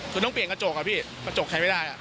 คือต้องเปลี่ยนกระจกอะพี่กระจกใครไม่ได้